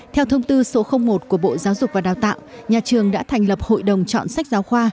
theo thông tư số một của bộ giáo dục và đào tạo nhà trường đã thành lập hội đồng chọn sách giáo khoa